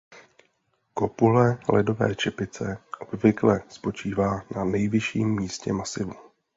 Kopule ledové čepice obvykle spočívá na nejvyšším místě masivu.